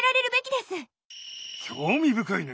興味深いね。